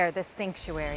mereka ingin berbagi